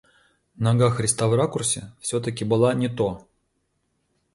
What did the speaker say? Нога Христа в ракурсе всё-таки была не то.